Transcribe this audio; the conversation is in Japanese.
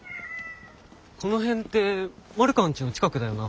この辺って丸川んちの近くだよな。